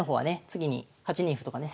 次に８二歩とかね